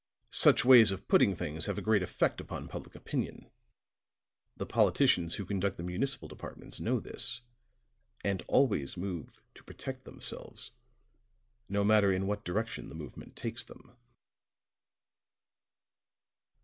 Such ways of putting things have a great effect upon public opinion; the politicians who conduct the municipal departments know this, and always move to protect themselves, no matter in what direction the movement takes them."